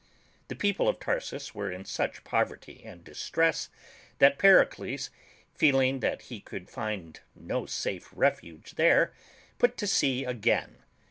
The people of Tarsus were in such poverty and distress that Per icles, feeling that he could find no safe refuge there, put to sea again.